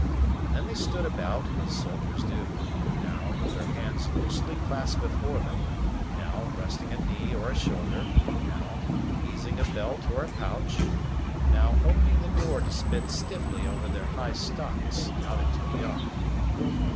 And then they stood about, as soldiers do; now, with their hands loosely clasped before them; now, resting a knee or a shoulder; now, easing a belt or a pouch; now, opening the door to spit stiffly over their high stocks, out into the yard.